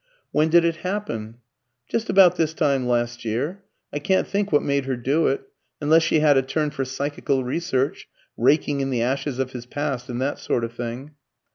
"When did it happen?" "Just about this time last year. I can't think what made her do it, unless she had a turn for psychical research raking in the ashes of his past, and that sort of thing."